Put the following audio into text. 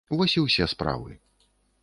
Вось і ўсе справы.